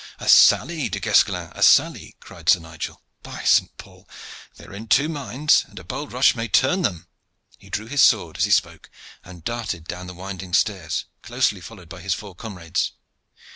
"A sally, Du Guesclin, a sally!" cried Sir Nigel. "By Saint Paul! they are in two minds, and a bold rush may turn them." He drew his sword as he spoke and darted down the winding stairs, closely followed by his four comrades.